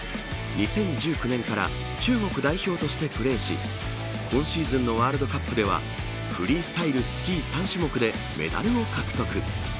２０１９年から中国代表としてプレーし今シーズンのワールドカップではフリースタイルスキー３種目でメダルを獲得。